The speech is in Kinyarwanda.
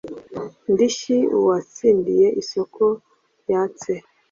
ndishyi uwatsindiye isoko yatse